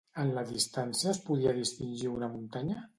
En la distància es podia distingir una muntanya?